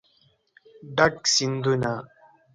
ډک سیندونه